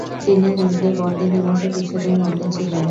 তিনি হিজলি বন্দি নিবাসে কিছুদিন বন্দী ছিলেন।